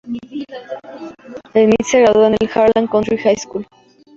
Smith se graduó en el Harlan County High School.